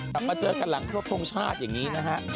กลับมาเจอกันหลังครบทรงชาติอย่างนี้นะฮะ